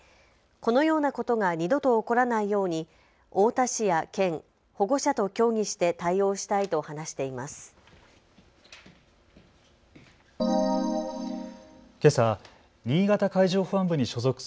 このようなことが二度と起こらないように太田市や県、保護者と協議して対応したいと話しています。